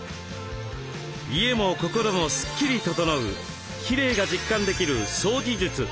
家も心もスッキリ整うきれいが実感できる掃除術。